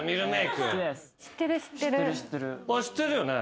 知ってるよね？